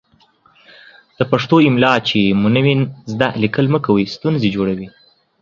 د پښتو املا چې مو نه وي ذده، ليکل مه کوئ ستونزې جوړوي.